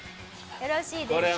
よろしいですか？